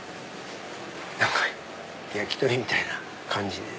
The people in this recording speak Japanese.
何か焼き鳥みたいな感じ。